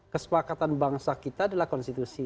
kesepakatan bangsa kita adalah konstitusi